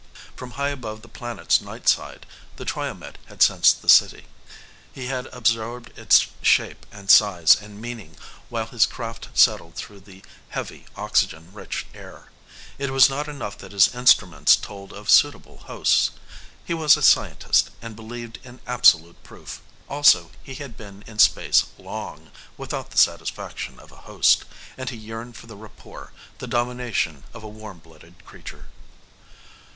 From high above the planet's night side, the Triomed had sensed the city. He had absorbed its shape and size and meaning while his craft settled through the heavy, oxygen rich air. It was not enough that his instruments told of suitable hosts. He was a scientist and believed in absolute proof. Also, he had been in space long without the satisfaction of a host and he yearned for the rapport, the domination of a warm blooded creature.